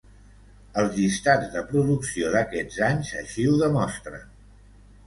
Els llistats de producció d'aquests anys així ho demostren.